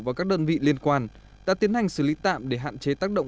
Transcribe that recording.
và các đơn vị liên quan đã tiến hành xử lý tạm để hạn chế tạm